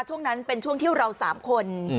ช่วงนั้นเป็นช่วงที่เรา๓คน